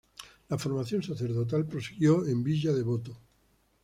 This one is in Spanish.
La formación sacerdotal prosiguió en Villa Devoto.